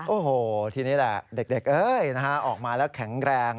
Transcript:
โอ้โหทีนี้แหละเด็กเอ้ยออกมาแล้วแข็งแรง